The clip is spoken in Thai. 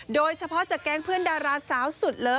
โดยเฉพาะจากแก๊งเพื่อนดาราสาวสุดเลอ